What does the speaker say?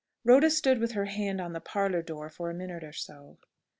Rhoda stood with her hand on the parlour door for a minute or so.